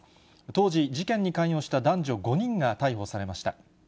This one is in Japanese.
当時、事件に関与した男女５人が逮捕されました。